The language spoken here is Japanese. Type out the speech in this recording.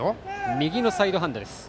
右のサイドハンドです。